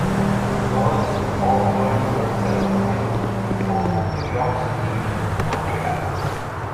Burns offered herself, and moved from New York City to Montreal.